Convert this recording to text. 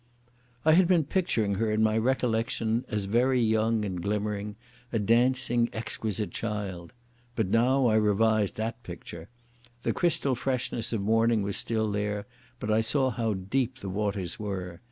I had been picturing her in my recollection as very young and glimmering, a dancing, exquisite child. But now I revised that picture. The crystal freshness of morning was still there, but I saw how deep the waters were.